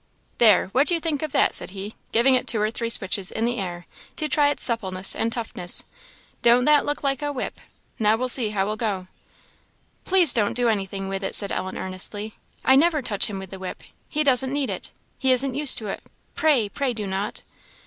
"There! what do you think of that?" said he, giving it two or three switches in the air to try its suppleness and toughness; "don't that look like a whip? Now we'll see how he'll go!" "Please don't do anything with it," said Ellen, earnestly "I never touch him with the whip he doesn't need it he isn't used to it pray, pray do not!"